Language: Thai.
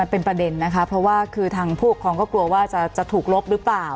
เป็นประเด็นนะคะเพราะว่าคือทางผู้ปกครองก็กลัวว่าจะถูกลบหรือเปล่า